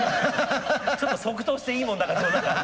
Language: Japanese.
ちょっと即答していいもんだかどうだか。